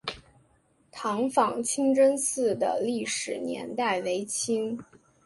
塘坊清真寺的历史年代为清。